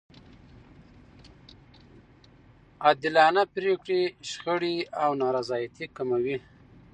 عادلانه پرېکړې شخړې او نارضایتي کموي.